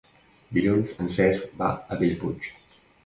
Dilluns en Cesc va a Bellpuig.